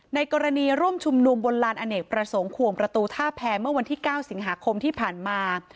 ในกรณีร่วมชุมนุมบนลานอเนกประสงค์ขวงประตูท่าแพรเมื่อวันที่๙สิงหาคมที่ผ่านมา